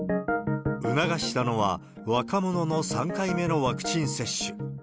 促したのは、若者の３回目のワクチン接種。